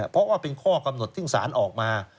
เพราะว่าเป็นข้อกำหนดที่สารออกมา